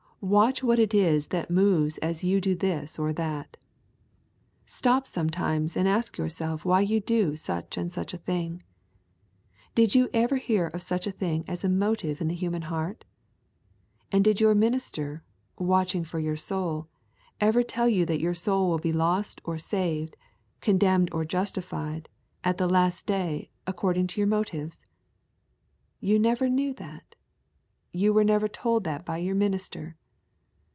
Watch what it is that moves you to do this or that. Stop sometimes and ask yourself why you do such and such a thing. Did you ever hear of such a thing as a motive in a human heart? And did your minister, watching for your soul, ever tell you that your soul will be lost or saved, condemned or justified at the last day according to your motives? You never knew that! You were never told that by your minister!